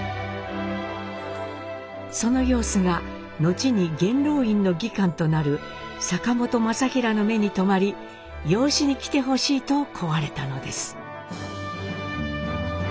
その様子が後に元老院の議官となる坂本政均の目に留まり養子に来てほしいと請われたのです。